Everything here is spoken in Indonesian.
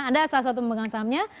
anda salah satu pemegang sahamnya